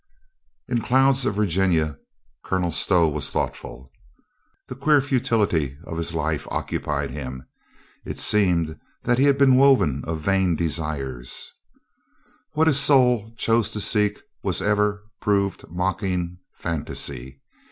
In clouds of Virginia, Colonel Stow was thought ful. The queer futility of his life occupied him. It seemed that he had been woven of vain desires. THE KING LOOKS 345 What his soul chose to seek was ever proved mock ing fantasy.